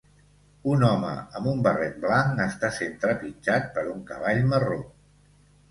Un home amb un barret blanc està sent trepitjat per un cavall marró.